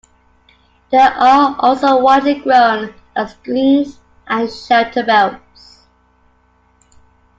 They are also widely grown as screens and shelterbelts.